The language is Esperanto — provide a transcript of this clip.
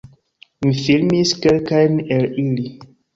Mi filmis kelkajn el ili